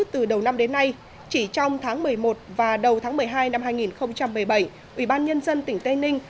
từ đầu năm đến nay chỉ trong tháng một mươi một và đầu tháng một mươi hai năm hai nghìn một mươi bảy ủy ban nhân dân tỉnh tây ninh